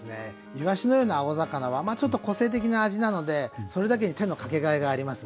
いわしのような青魚はまあちょっと個性的な味なのでそれだけで手のかけがいがありますね。